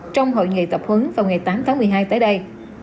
trong hội nghị tập huấn vào ngày tám tháng một mươi hai tới đây